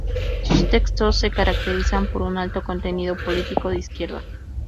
Sus textos se caracterizan por un alto contenido político de izquierdas.